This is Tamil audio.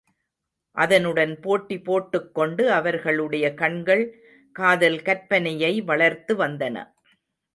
அதனுடன் போட்டி போட்டுக்கொண்டு அவர்களுடைய கண்கள் காதல் கற்பனையை வளர்த்து வந்தன.